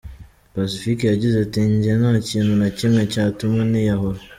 Pacifique yagize ati: “Njye ntakintu na kimwe cyatuma niyahura.